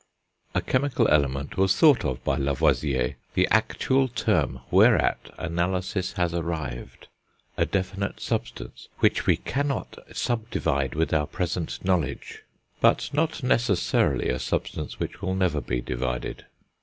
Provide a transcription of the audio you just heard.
A chemical element was thought of by Lavoisier as "the actual term whereat analysis has arrived," a definite substance "which we cannot subdivide with our present knowledge," but not necessarily a substance which will never be divided.